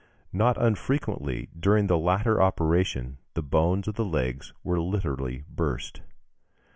Not unfrequently during the latter operation the bones of the legs were literally burst.